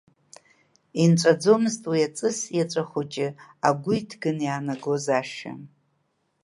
Инҵәаӡомызт уи аҵыс иаҵәа хәыҷы агәы иҭганы иаанагоз ашәа.